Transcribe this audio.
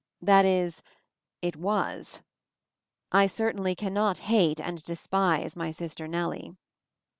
That is — it was. I certainly cannot hate and de spise my sister Nellie.